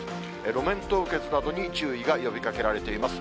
路面凍結などに注意が呼びかけられています。